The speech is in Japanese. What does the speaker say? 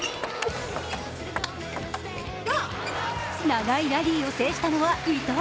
長いラリーを制したのは伊藤。